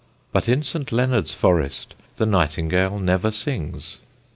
But in St. Leonard's Forest the nightingale never sings.